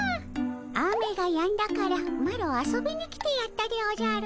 雨がやんだからマロ遊びに来てやったでおじゃる。